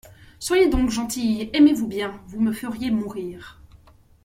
Soyez donc gentilles, aimez-vous bien ! Vous me feriez mourir.